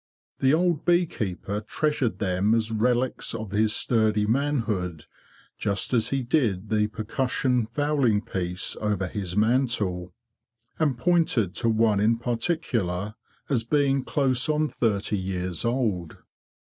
The old bee keeper treasured them as relics of his sturdy manhood, just as he did the percussion fowling piece over his mantel; and pointed to one in particular as being close on thirty years old.